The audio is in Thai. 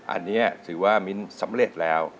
อันนี้ถือว่ามิ้นสำเร็จแล้ว